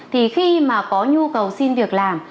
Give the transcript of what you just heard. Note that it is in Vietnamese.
thì khi mà có nhu cầu xin việc làm